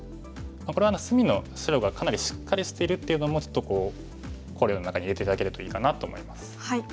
これは隅の白がかなりしっかりしてるっていうのもちょっと考慮の中に入れて頂けるといいかなと思います。